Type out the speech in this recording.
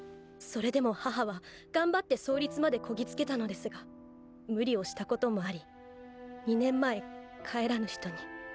それでも母は頑張って創立までこぎつけたのですが無理をしたこともあり２年前帰らぬ人に。